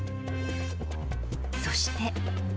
そして。